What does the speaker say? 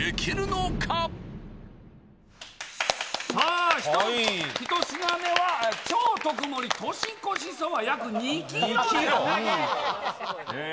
さあ、１品目は超特盛年越しそば約２キロ。